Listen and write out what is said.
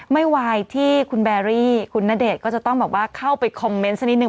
ไม่ไหวที่คุณแบรี่คุณณเดชน์ก็จะต้องแบบว่าเข้าไปคอมเมนต์สักนิดนึ